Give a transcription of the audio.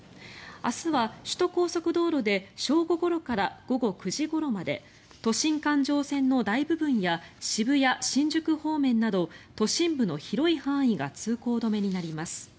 明日は首都高速道路で正午から午後９時ごろまで都心環状線の大部分や渋谷・新宿方面など都心部の広い範囲が通行止めになります。